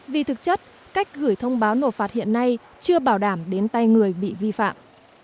vì thực chất cách gửi thông báo nộp phạt hiện nay chưa bảo đảm đến tay người bị vi phạm